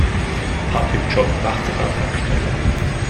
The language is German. Patrick jobbt nachts an einer Tankstelle.